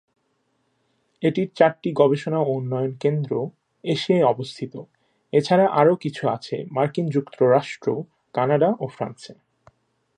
এটার চারটি গবেষণা ও উন্নয়ন কেন্দ্র এশিয়ায় অবস্থিত, এছাড়া আরো কিছু আছে মার্কিন যুক্তরাষ্ট্র, কানাডা ও ফ্রান্সে।